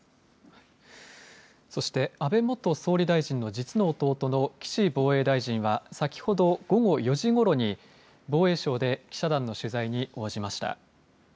そして安倍元総理大臣の実の弟の岸防衛大臣は先ほど午後４時ごろに防衛省で記者団の取材に応じました。